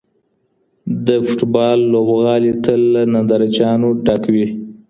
د فوټبال لوبغالي تل له نندارچیانو ډک وي.